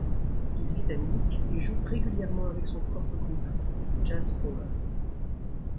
Il vit à Munich et joue régulièrement avec son propre groupe, Jazz Power.